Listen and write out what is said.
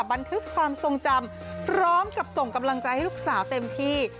บันทึกความทรงจำพร้อมกับส่งกำลังใจให้ลูกสาวเต็มที่